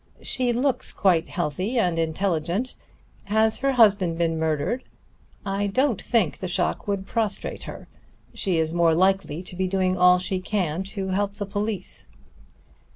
"She looks quite healthy and intelligent. Has her husband been murdered? I don't think the shock would prostrate her. She is more likely to be doing all she can to help the police."